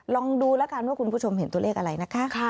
ลองดูแล้วกันว่าคุณผู้ชมเห็นตัวเลขอะไรนะคะ